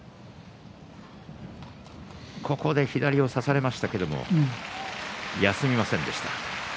左を差されましたけど休みませんでした。